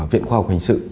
viện khoa học hình sự